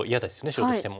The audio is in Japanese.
白としても。